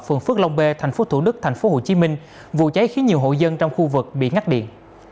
phường phước long b tp hcm vụ cháy khiến nhiều hộ dân trong khu vực bị ngắt điện